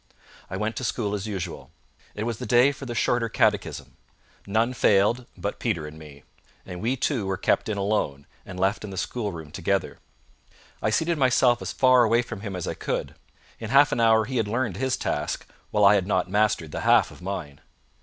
I went to school as usual. It was the day for the Shorter Catechism. None failed but Peter and me; and we two were kept in alone, and left in the schoolroom together. I seated myself as far from him as I could. In half an hour he had learned his task, while I had not mastered the half of mine.